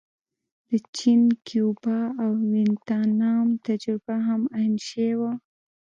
د چین، کیوبا او ویتنام تجربه هم عین شی وه.